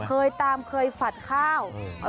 เคยตามเคยฝัดข้าว